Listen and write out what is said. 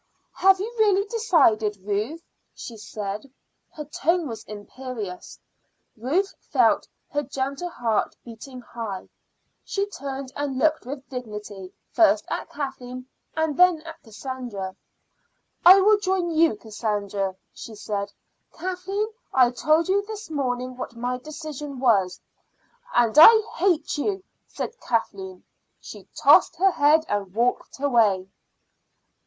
"Have you really decided, Ruth?" she said. Her tone was imperious. Ruth felt her gentle heart beat high. She turned and looked with dignity first at Kathleen and then at Cassandra. "I will join you, Cassandra," she said. "Kathleen, I told you this morning what my decision was." "And I hate you!" said Kathleen. She tossed her head and walked away.